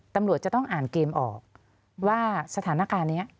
ตำรวจจะต้องอ่านเกมออกว่าสถานการณ์นี้